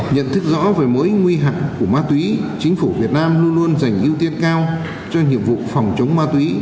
nhận thức rõ về mối nguy hại của ma túy chính phủ việt nam luôn luôn dành ưu tiên cao cho nhiệm vụ phòng chống ma túy